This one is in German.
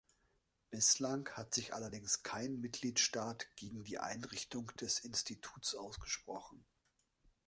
Bislang hat sich allerdings kein Mitgliedstaat gegen die Einrichtung des Instituts ausgesprochen.